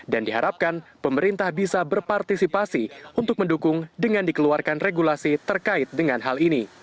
dan diharapkan pemerintah bisa berpartisipasi untuk mendukung dengan dikeluarkan regulasi terkait dengan hal ini